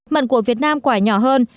mận của việt nam quả nhỏ hơn